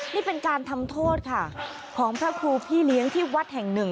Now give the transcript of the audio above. นี่เป็นการทำโทษค่ะของพระครูพี่เลี้ยงที่วัดแห่งหนึ่ง